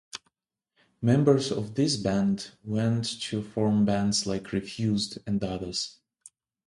Members of this band went to form bands like Refused and others.